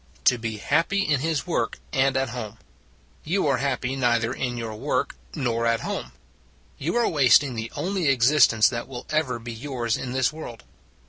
To be happy in his work and at home. You are happy neither in your work nor at home. You are wasting the only existence that will ever be yours in this world.